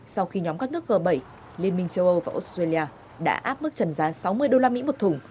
sau khi nhóm các nước g bảy liên minh châu âu và australia đã áp mức trần giá sáu mươi usd một thùng